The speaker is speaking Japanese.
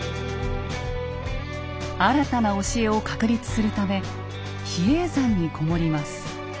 新たな教えを確立するため比叡山にこもります。